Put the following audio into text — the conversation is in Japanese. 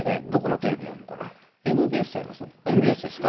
ＭＢＳじゃないですか。